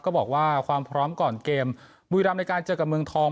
บอกว่าความพร้อมก่อนเกมบุรีรำในการเจอกับเมืองทอง